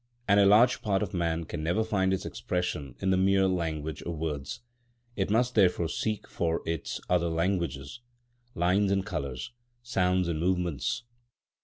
And a large part of man can never find its expression in the mere language of words. It must therefore seek for its other languages,—lines and colours, sounds and movements.